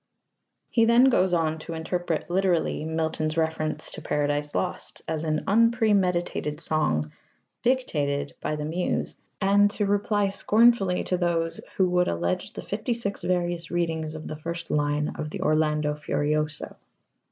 He then goes on to interpret literally Milton's reference to Paradise Lost as an "unpremeditated song" "dictated" by the Muse, and to reply scornfully to those "who would allege the fifty six various readings of the first line of the Orlando Furioso."